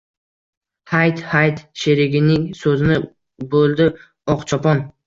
– Hayt-hayt! – sherigining so‘zini bo‘ldi Oqchopon